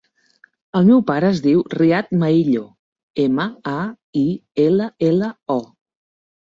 El meu pare es diu Riad Maillo: ema, a, i, ela, ela, o.